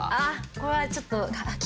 これはちょっと。